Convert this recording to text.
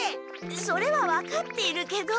それは分かっているけど。